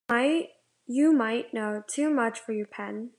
You might know too much for your pen.